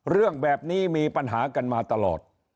เรื่องแบบนี้มีปัญหากันมาตลอด